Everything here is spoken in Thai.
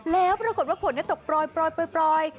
แล้วปรากฏว่าฝนตกปล่อย